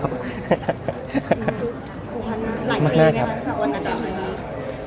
ผูกพันมาหลายปีไหมครับสะอดอากาศ